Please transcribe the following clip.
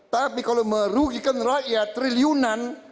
tapi kalau merugikan rakyat triliunan